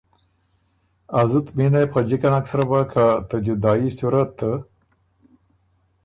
ا زُت مېنه يې بُو خه جِکه نک سرۀ بَۀ که ته جدايي صورت